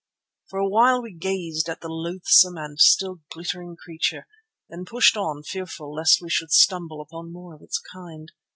For a while we gazed at the loathsome and still glittering creature, then pushed on fearful lest we should stumble upon more of its kind.